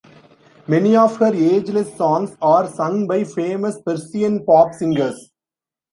Many of her ageless songs are sung by famous Persian pop singers.